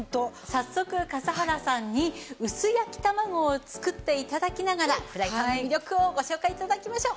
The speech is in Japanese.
早速笠原さんに薄焼き卵を作って頂きながらフライパンの魅力をご紹介頂きましょう。